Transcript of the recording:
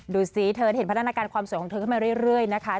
ดูสิเธอเห็นพัฒนาการความสวยของเธอขึ้นมาเรื่อยนะคะ